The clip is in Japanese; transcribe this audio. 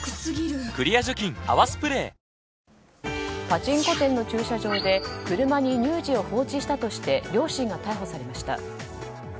パチンコ店の駐車場で車に乳児を放置したとして両親が逮捕されました。